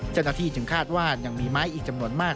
เจ้าหน้าที่จึงคาดว่ายังมีไม้อีกจำนวนมาก